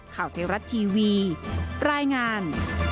ข่าวไทยรัฐทีวีรายงาน